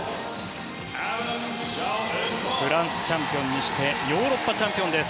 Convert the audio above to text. フランスチャンピオンにしてヨーロッパチャンピオンです